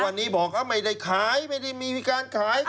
วันนี้บอกไม่ได้ขายไม่ได้มีการขาย